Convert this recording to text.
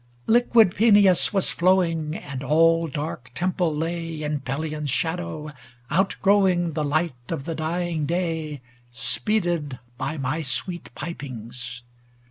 II Liquid Peneus was flowing, And all dark Tempe lay In Pelion's shadow, outgrowing The light of the dying day. Speeded by my sweet pipings.